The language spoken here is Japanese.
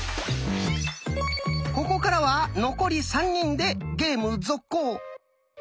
ここからは残り３人でゲーム続行。